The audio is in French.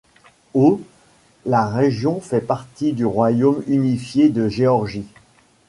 Aux -, la région fait partie du royaume unifié de Géorgie.